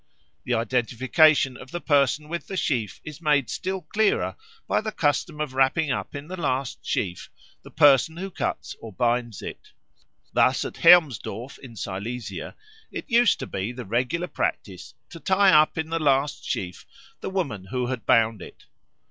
The identification of the person with the sheaf is made still clearer by the custom of wrapping up in the last sheaf the person who cuts or binds it. Thus at Hermsdorf in Silesia it used to be the regular practice to tie up in the last sheaf the woman who had bound it.